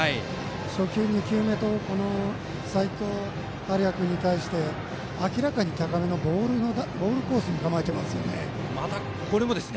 初球、２球目と齋藤敏哉君に対して明らかに高めのボールコースに構えています。